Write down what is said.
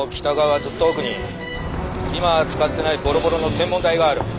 ずっと奥に今は使ってないボロボロの天文台がある。